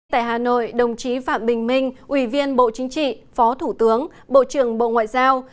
tại hà nội đồng chí phạm bình minh ủy viên bộ chính trị phó thủ tướng bộ trưởng bộ ngoại giao